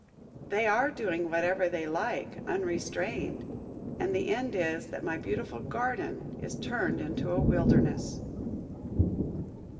They are doing whatever they like, unrestrained and the end is, that my beautiful GARDEN is turned into a WILDERNESS."